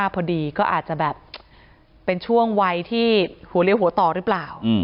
พอดีก็อาจจะแบบเป็นช่วงวัยที่หัวเลี้ยวหัวต่อหรือเปล่า